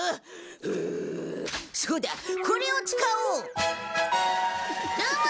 フーそうだこれを使おう。